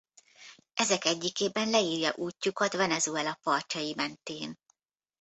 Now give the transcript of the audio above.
Ezek egyikében leírja útjukat Venezuela partjai mentén.